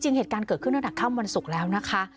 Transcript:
เหตุการณ์เกิดขึ้นตั้งแต่ค่ำวันศุกร์แล้วนะคะ